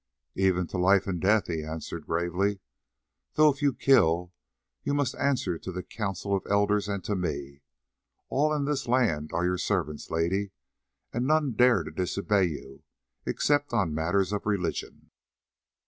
"Even to life and death," he answered gravely; "though if you kill, you must answer to the Council of the Elders and to me. All in this land are your servants, Lady, and none dare to disobey you except on matters of religion."